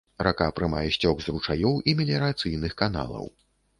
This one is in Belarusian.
Рака прымае сцёк з ручаёў і меліярацыйных каналаў.